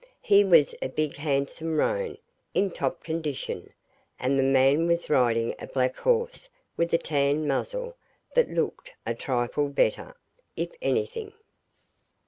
He was a big handsome roan, in top condition, and the man was riding a black horse with a tan muzzle that looked a trifle better, if anything.